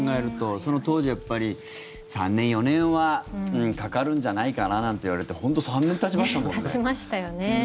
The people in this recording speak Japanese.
その当時は３年、４年はかかるんじゃないかななんていわれてたちましたよね。